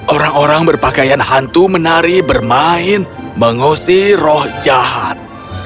orang orang berpakaian hantu menari bermain mengusir roh jahat